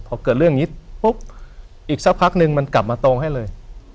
พอเกิดเรื่องนี้ปุ๊บอีกสักพักนึงมันกลับมาตรงให้เลย